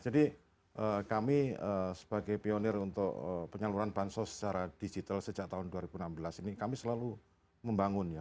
jadi kami sebagai pionir untuk penyaluran bansho secara digital sejak tahun dua ribu enam belas ini kami selalu membangun ya